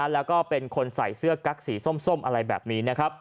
และก็เป็นคนใส่เสื้อกั๊กสีส้มอะไรแบบนี้